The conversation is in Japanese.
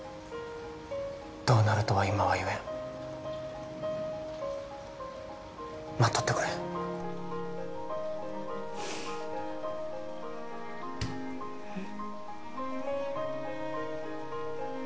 どうなるとは今は言えん待っとってくれうん